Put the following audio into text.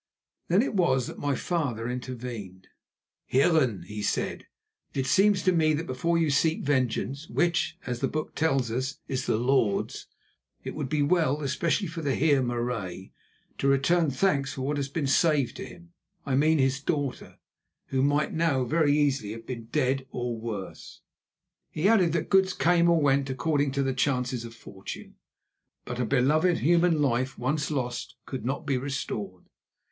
Then it was that my father intervened. "Heeren," he said, "it seems to me that before you seek vengeance, which, as the Book tells us, is the Lord's, it would be well, especially for the Heer Marais, to return thanks for what has been saved to him. I mean his daughter, who might now very easily have been dead or worse." He added that goods came or went according to the chances of fortune, but a beloved human life, once lost, could not be restored.